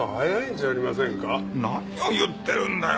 何を言ってるんだよ。